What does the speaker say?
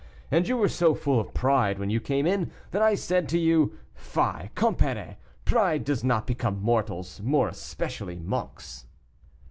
And you were so full of pride when you came in, that I said to you, 'Fie, compère; pride does not become mortals, more especially monks.